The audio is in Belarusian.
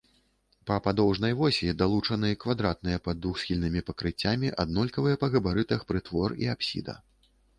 Па падоўжнай восі далучаны квадратныя пад двухсхільнымі пакрыццямі аднолькавыя па габарытах прытвор і апсіда.